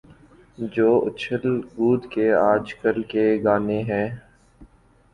جو اچھل کود کے آج کل کے گانے ہیں۔